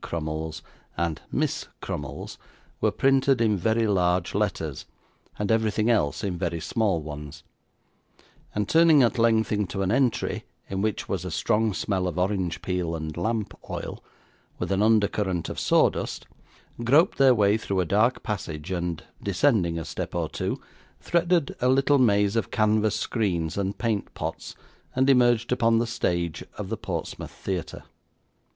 Crummles, and Miss Crummles, were printed in very large letters, and everything else in very small ones; and, turning at length into an entry, in which was a strong smell of orange peel and lamp oil, with an under current of sawdust, groped their way through a dark passage, and, descending a step or two, threaded a little maze of canvas screens and paint pots, and emerged upon the stage of the Portsmouth Theatre.